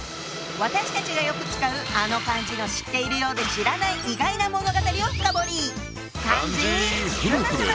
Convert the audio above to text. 私たちがよく使うあの漢字の知ってるようで知らない意外な物語を深掘り！